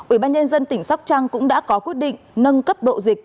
ủy ban nhân dân tỉnh sóc trăng cũng đã có quyết định nâng cấp độ dịch